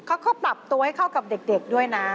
เขาก็ปรับตัวให้เข้ากับเด็กด้วยนะ